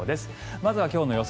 まずは今日の予想